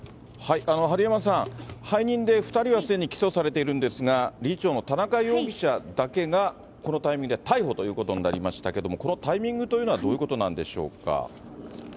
治山さん、背任で２人はすでに起訴されているんですが、理事長の田中容疑者だけがこのタイミングで逮捕ということになりましたけれども、このタイミングというのは、どういうことなんでしょうか。